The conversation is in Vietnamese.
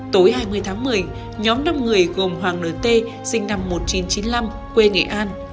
tối hai mươi tháng một mươi nhóm năm người gồm hoàng nửa t sinh năm một nghìn chín trăm chín mươi năm quê nghệ an